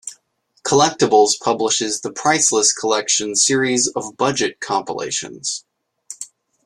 Collectables publishes the "Priceless Collection" series of budget compilations.